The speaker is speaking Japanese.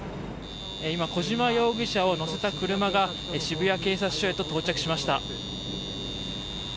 今、小島容疑者を乗せた車が渋谷警察署へと到着しました。